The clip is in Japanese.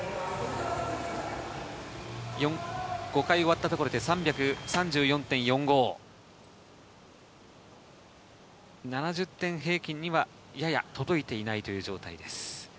５回終わったところで、７０点平均にはやや届いていない状態です。